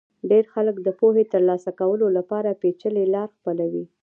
ډېر خلک د پوهې ترلاسه کولو لپاره پېچلې لار خپلوي.